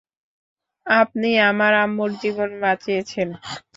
আপনি আমার আম্মুর জীবন বাঁচিয়েছেন।